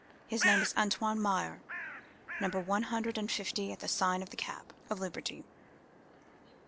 His name is Antoine Meyer, Number One hundred and Fifty at the sign of the Cap of Liberty.